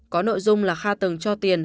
có nội dung là kha từng cho tiền